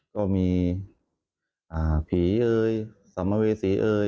ก็มีผีเอยสมาเวศีเอย